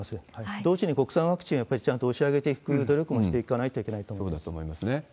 同時に国際ワクチンをちゃんと押し上げていく努力もしていかないそうですよね。